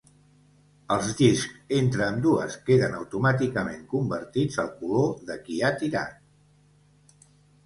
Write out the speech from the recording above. Els discs entre ambdues queden automàticament convertits al color de qui ha tirat.